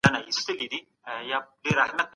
مجاهدین د حق په لاره کي خوشاله وه.